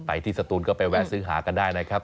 ที่สตูนก็ไปแวะซื้อหากันได้นะครับ